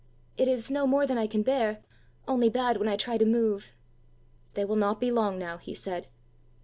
It is no more than I can bear, only bad when I try to move." "They will not be long now," he said.